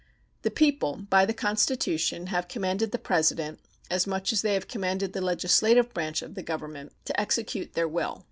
The people, by the Constitution, have commanded the President, as much as they have commanded the legislative branch of the Government, to execute their will.